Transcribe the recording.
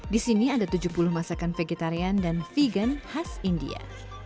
di sini ada tujuh puluh masakan vegetarian dan vegan khas india